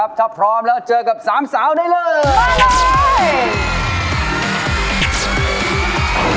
วันนี้ครับถ้าพร้อมแล้วเจอกับ๓สาวได้เลย